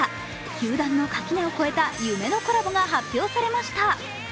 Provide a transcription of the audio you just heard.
球団の垣根を越えた夢のコラボが発表されました。